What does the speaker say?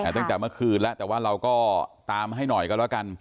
ตั้งแต่เมื่อคืนแล้วแต่ว่าเราก็ตามให้หน่อยก็แล้วกัน